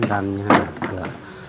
làm nhà cửa